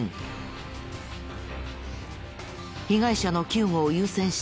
被害者の救護を優先した